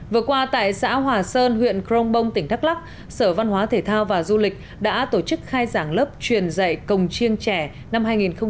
vừa qua tại xã hòa sơn huyện crong bong tỉnh đắk lắc sở văn hóa thể thao và du lịch đã tổ chức khai giảng lớp truyền dạy cồng chiêng trẻ năm hai nghìn một mươi chín